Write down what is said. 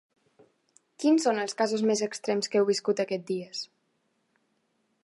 Quins són els casos més extrems que heu viscut aquests dies?